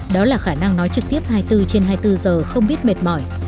đó là khả năng nói trực tiếp hai mươi bốn trên hai mươi bốn giờ không biết mệt mỏi